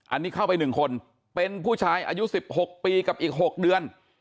อันนี้เข้าไป๑คนเป็นผู้ชายอายุ๑๖ปีกับอีก๖เดือน